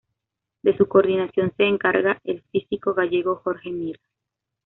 De su coordinación se encarga el físico gallego Jorge Mira.